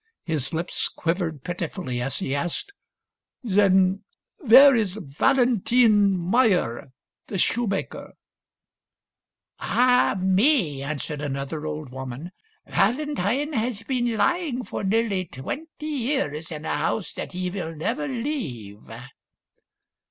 His lips quivered pitifully as he asked, " Then where is Valentine Meyer, the shoemaker .?"" Ah, me 1 " answered another old woman. " Val entine has been lying for nearly twenty years in a house that he will never leave."